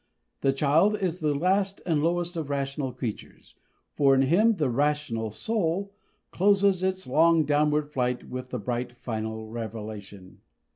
The child is the last and lowest of rational creatures, for in him the "rational soul" closes its long downward flight with the bright final revelation.